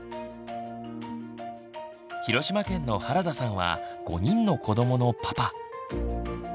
広島県の原田さんは５人の子どものパパ。